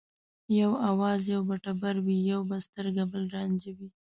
یو آواز یو به ټبر وي یو به سترګه بل رانجه وي